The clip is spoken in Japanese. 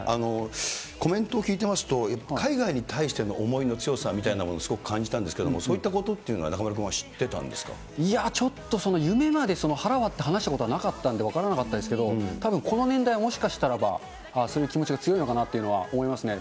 コメントを聞いてますと、やっぱり海外に対しての思いの強さみたいなものをすごく感じたんですけれども、そういったことっていうのは、中丸君は知ってたんいやー、ちょっと夢まで、腹割って話したことはなかったんで、分からなかったですけれども、たぶんこの年代はもしかしたらば、そういう気持ちが強いのかなとは思いますね。